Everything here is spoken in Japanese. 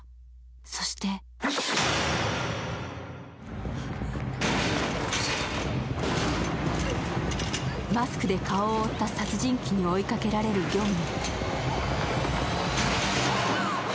そしてマスクで顔を覆った殺人鬼に追いかけられるギョンミ。